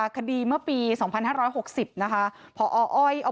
คดีเมื่อปีสองพันห้าร้อยหกสิบนะคะ